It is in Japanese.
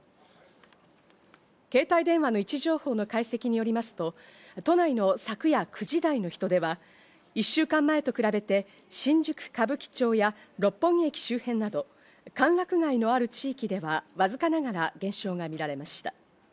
携帯電話の位置情報の解析によりますと、都内の昨夜９時台の人出は１週間前と比べて、新宿・歌舞伎町や六本木駅周辺など歓楽街のある地域ではわずかながら減少が見られました。